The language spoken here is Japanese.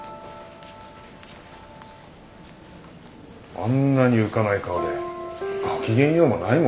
あんなに浮かない顔で「ごきげんよう」もないものです。